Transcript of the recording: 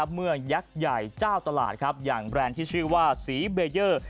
เมื่อยักษ์ใหญ่เจ้าตลาดอย่างแบรนด์ที่ชื่อว่าสีเบเยอร์